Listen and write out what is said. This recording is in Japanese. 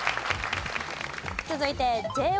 続いてＪＯ